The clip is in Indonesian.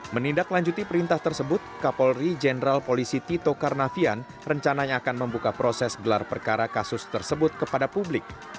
menindaklanjuti perintah tersebut kapolri jenderal polisi tito karnavian rencananya akan membuka proses gelar perkara kasus tersebut kepada publik